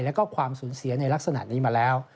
แล้วก็ความสูญเสียในลักษณะนี้มาแล้ว